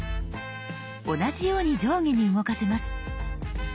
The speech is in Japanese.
同じように上下に動かせます。